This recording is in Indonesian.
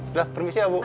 udah permisi ya bu